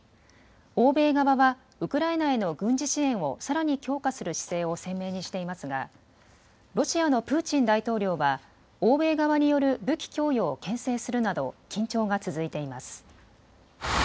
欧米側はウクライナへの軍事支援をさらに強化する姿勢を鮮明にしていますがロシアのプーチン大統領は欧米側による武器供与をけん制するなど緊張が続いています。